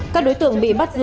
các đối tượng bị bắt giữ